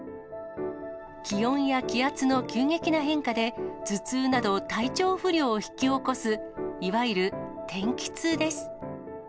気温や気圧の急激な変化で、頭痛など体調不良を引き起こす、いわゆる天気痛です。